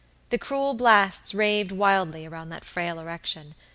The cruel blasts raved wildly round that frail erection.